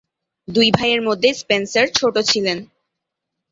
দুই ভাইয়ের মধ্যে স্পেন্সার ছোট ছিলেন।